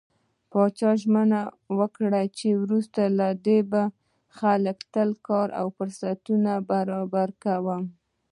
پاچا ژمنه وکړه چې وروسته له دې به خلکو ته کاري فرصتونه برابر کوم .